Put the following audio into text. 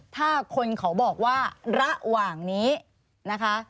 ถ้าคนเขาบอกว่าระหว่างนี้นะคะ